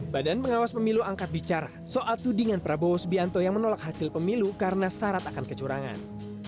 badan pengawas pemilu angkat bicara soal tudingan prabowo subianto yang menolak hasil pemilu karena syarat akan kecurangan